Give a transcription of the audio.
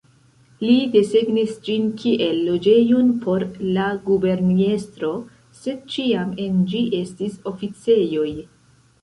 Li desegnis ĝin kiel loĝejon por la guberniestro, sed ĉiam en ĝi estis oficejoj.